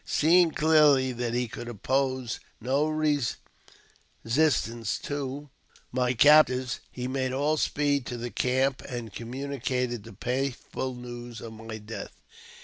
Seeing clearly that he could oppose no resistance toj my captors, he made all speed to the camp, and communicated I the painful news of my death.